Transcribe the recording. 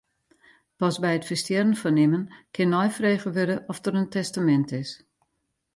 Pas by it ferstjerren fan immen kin neifrege wurde oft der in testamint is.